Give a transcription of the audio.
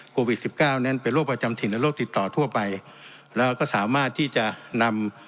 โควิดสิบเก้านั้นเป็นโรคประจำถิ่นและโรคติดต่อทั่วไปแล้วก็สามารถที่จะนำ